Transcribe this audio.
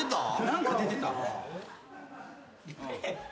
何か出てた。